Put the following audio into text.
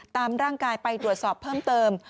ตามร่างกายไปตรวจสอบเพิ่มเติม